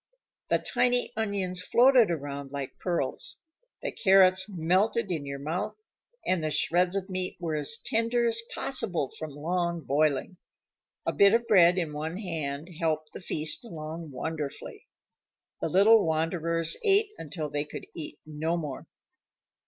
The tiny onions floated around like pearls; the carrots melted in your mouth; and the shreds of meat were as tender as possible from long boiling. A bit of bread in one hand helped the feast along wonderfully. The little wanderers ate until they could eat no more.